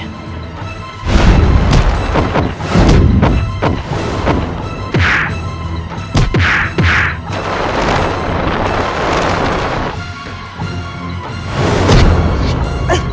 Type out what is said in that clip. suara orang bertarung